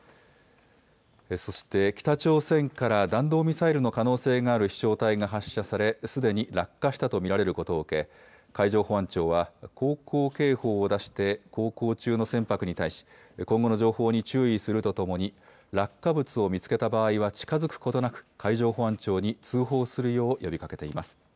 そして北朝鮮から弾道ミサイルの可能性がある飛しょう体が発射されすでに落下したと見られることを受け海上保安庁は航行警報を出して航行中の船舶に対し今後の情報に注意するとともに、落下物を見つけた場合は近づくことなく海上保安庁に通報するよう呼びかけています。